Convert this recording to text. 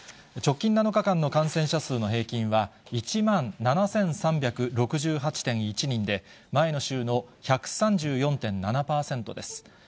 直近７日間の感染者数の平均は１万７３６８．１人で、前の週の１３４．７％です。